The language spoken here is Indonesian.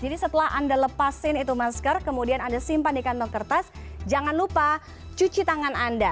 setelah anda lepasin itu masker kemudian anda simpan di kantong kertas jangan lupa cuci tangan anda